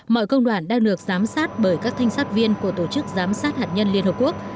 mọi công đoàn đang được giám sát bởi các thanh sát viên của tổ chức giám sát hạt nhân liên hợp quốc